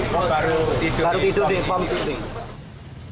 baru tidur di pompsiting